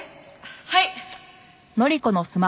はい！